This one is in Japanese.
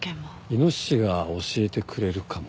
イノシシが教えてくれるかも。